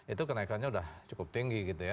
itu kenaikannya sudah cukup tinggi gitu ya